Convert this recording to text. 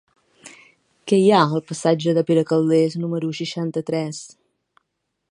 Què hi ha al passatge de Pere Calders número seixanta-tres?